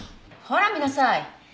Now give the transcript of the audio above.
ほら見なさい！